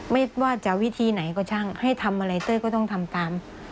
ไม่ว่าจะวิธีไหนก็ช่างให้ทำอะไรเตอร์ก็ต้องทำตาม